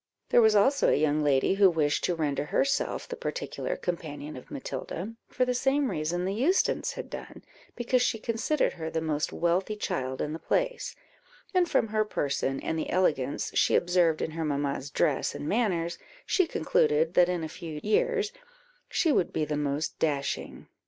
There was also a young lady who wished to render herself the particular companion of Matilda, for the same reason the Eustons had done, because she considered her the most wealthy child in the place; and from her person, and the elegance she observed in her mamma's dress and manners, she concluded that in a few years she would be the most dashing.